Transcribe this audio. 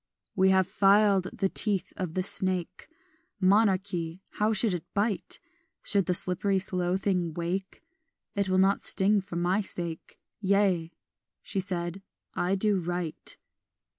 "We have filed the teeth of the snake Monarchy, how should it bite? Should the slippery slow thing wake, It will not sting for my sake; Yea," she said, "I do right."